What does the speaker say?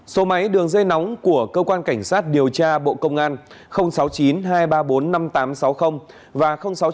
số máy đường dây nóng của cơ quan cảnh sát điều tra bộ công an sáu mươi chín hai trăm ba mươi bốn năm nghìn tám trăm sáu mươi và sáu mươi chín hai trăm ba mươi một một nghìn sáu trăm sáu mươi